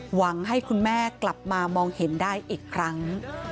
หวังให้คุณแม่กลับมามองเห็นได้อีกครั้ง